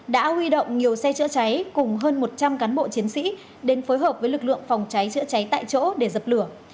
đã huy động nhiều xe chữa cháy cùng hơn một trăm linh cán bộ chiến sĩ đến phối hợp với lực lượng phòng cháy chữa cháy tại chỗ để dập lửa